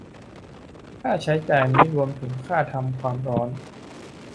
ค่าใช้จ่ายนี้รวมถึงค่าทำความร้อน